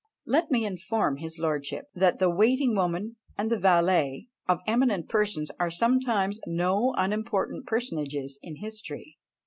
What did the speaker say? Let me inform his lordship, that "the waiting woman and the valet" of eminent persons are sometimes no unimportant personages in history.